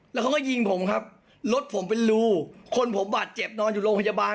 แล้วเขาก็ยิงผมครับรถผมเป็นรูคนผมบาดเจ็บนอนอยู่โรงพยาบาล